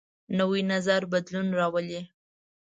نوی نظر بدلون راولي